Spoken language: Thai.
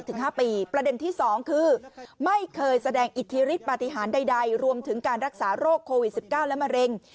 ๕ปีประเด็นที่๒คือไม่เคยแสดงอิทธิฤทธปฏิหารใดรวมถึงการรักษาโรคโควิด๑๙และมะเร็ง